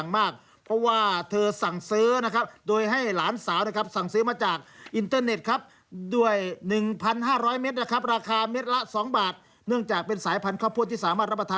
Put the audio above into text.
ไม่ต้องห่วงเลยขายประจำ